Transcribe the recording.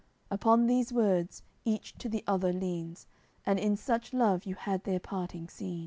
Upon these words, each to the other leans; And in such love you had their parting seen.